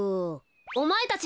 おまえたち。